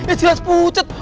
ya silahkan pucat